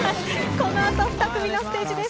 この後、２組のステージです。